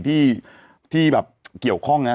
ที่แบบเกี่ยวข้องนะ